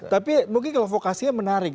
tapi mungkin kalau vokasinya menarik